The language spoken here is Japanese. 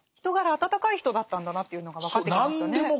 人柄温かい人だったんだなっていうのが分かってきましたね。